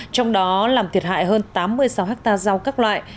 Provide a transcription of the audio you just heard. trong đó làm thiệt hại hơn tám mươi sáu hectare rau các loại